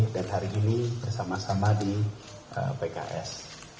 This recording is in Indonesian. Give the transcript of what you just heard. dan hari ini bersama sama di pks